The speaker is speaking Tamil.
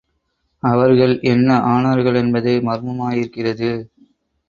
அவர்கள் என்ன ஆனார்களென்பதே மர்மமாயிருக்கிறது.